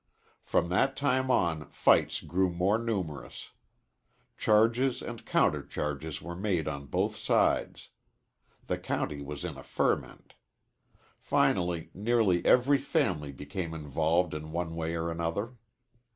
From that time on fights grew more numerous. Charges and countercharges were made on both sides. The county was in a ferment. Finally, nearly every family became involved in one way or another.